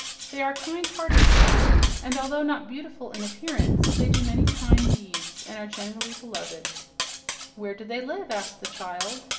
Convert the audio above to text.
They are kind hearted, too, and although not beautiful in appearance, they do many kind deeds and are generally beloved." "Where do they live?" asked the child.